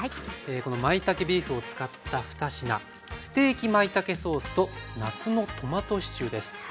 このまいたけビーフを使った２品ステーキまいたけソースと夏のトマトシチューです。